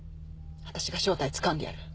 私が正体つかんでやる。